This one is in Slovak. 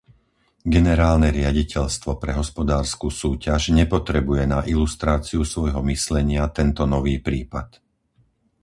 Generálne riaditeľstvo pre hospodársku súťaž nepotrebuje na ilustráciu svojho myslenia tento nový prípad.